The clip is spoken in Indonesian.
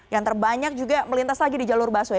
yang terbanyak juga melintas lagi di jalur busway